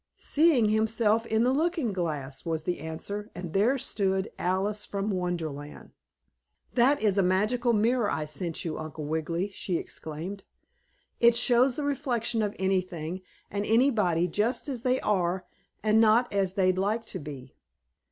"Seeing himself in the looking glass," was the answer, and there stood Alice from Wonderland. "That is a magical mirror I sent you, Uncle Wiggily," she explained. "It shows the reflection of anything and anybody just as they are and not as they'd like to be.